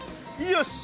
よし！